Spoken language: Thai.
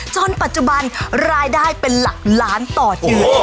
จนปัจจุบันรายได้เป็นหลักล้านต่อเดือน